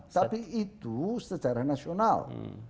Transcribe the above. tapi itu secara nasional